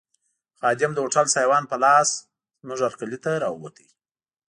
خادم د هوټل سایوان په لاس زموږ هرکلي ته راووت.